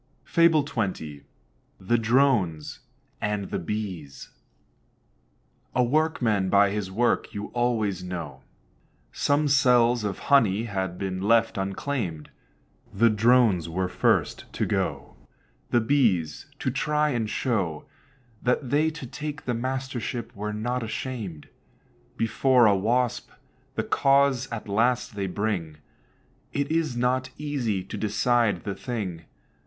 FABLE XX. THE DRONES AND THE BEES. A Workman by his work you always know. Some cells of honey had been left unclaimed. The Drones were first to go The Bees, to try and show That they to take the mastership were not ashamed. Before a Wasp the cause at last they bring; It is not easy to decide the thing.